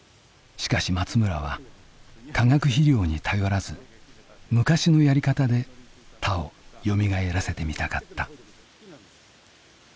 しかし松村は化学肥料に頼らず昔のやり方で田をよみがえらせてみたかった。